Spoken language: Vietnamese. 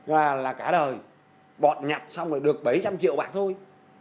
và là cả đời bọn nhập xong rồi được bảy trăm linh triệu bạn thôi